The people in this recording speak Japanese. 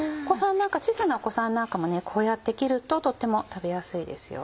小さなお子さんなんかもこうやって切るととっても食べやすいですよ。